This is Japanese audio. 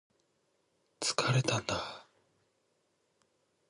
疲れたんだ